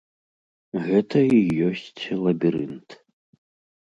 Гэта і ёсць лабірынт.